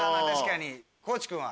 地君は？